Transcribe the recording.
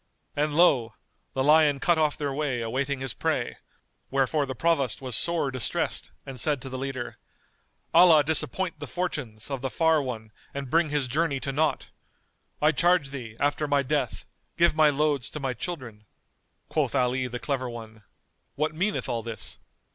And lo! the lion cut off their way awaiting his prey, wherefore the Provost was sore distressed and said to the leader, "Allah disappoint the fortunes[FN#219] of the far one and bring his journey to naught! I charge thee, after my death, give my loads to my children." Quoth Ali the Clever One, "What meaneth all this?"